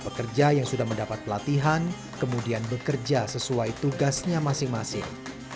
pekerja yang sudah mendapat pelatihan kemudian bekerja sesuai tugasnya masing masing